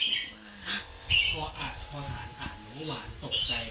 แล้วนี่หลายอย่างภาษาจะสู้คับดีได้